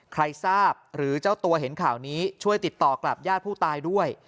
ใครทราบหรือเจ้าตัวเห็นข่าวนี้ช่วยติดต่อกลับญาติผู้ตายด้วย